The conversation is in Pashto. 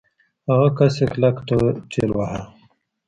هغه کس يې کلک ټېلوهه.